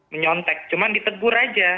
menyontek cuma ditegur aja